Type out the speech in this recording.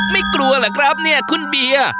กลัวเหรอครับเนี่ยคุณเบียร์